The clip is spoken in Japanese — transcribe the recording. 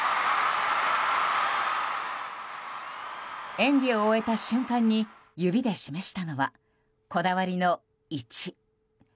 演技を終えた瞬間に指で示したのはこだわりの１。